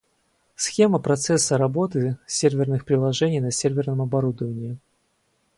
Схема процесса работы серверных приложений на серверном оборудовании